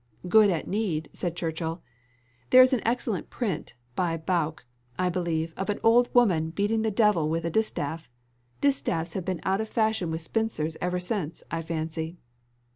"Good at need," said Churchill. "There is an excellent print, by Bouck, I believe, of an old woman beating the devil with a distaff; distaffs have been out of fashion with spinsters ever since, I fancy."